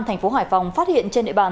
thành phố hải phòng phát hiện trên địa bàn